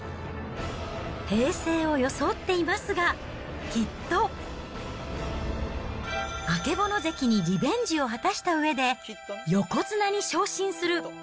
平静を装っていますが、きっと、曙関にリベンジを果たしたうえで横綱に昇進する。